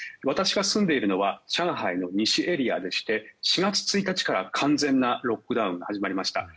私が住んでいるのは上海の西エリアでして４月１日から完全なロックダウンが始まりました。